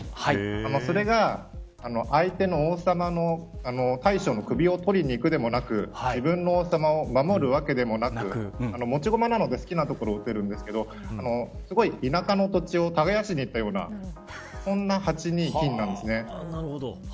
それが、相手の王様の大将の首を取りに行くでもなく自分の王様を守るわけでもなく持ち駒なので好きな所に打てるんですけどすごい田舎の土地を耕しに行ったようなそんな、８二金なんですね。